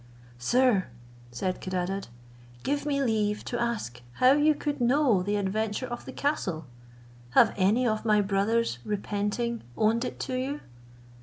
"Sir," said Codadad, "give me leave to ask how you could know the adventure of the castle? Have any of my brothers, repenting, owned it to you?"